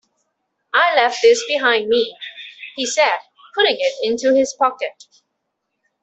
"I left this behind me," he said, putting it into his pocket.